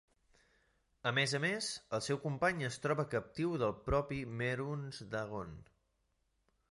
A més a més, el seu company es troba captiu del propi Mehrunes Dagon.